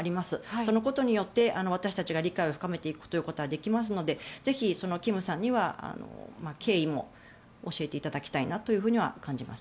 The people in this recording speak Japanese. そのことによって私たちが理解を深めていくことはできますのでぜひキムさんには経緯も教えていただきたいなと感じます。